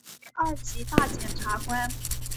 为二级大检察官。